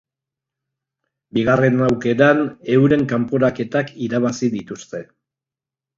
Bigarren aukeran euren kanporaketak irabazi dituzte.